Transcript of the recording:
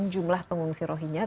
jumlah pengungsi rohinya